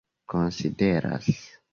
konsideras